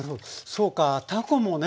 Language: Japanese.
そうかたこもね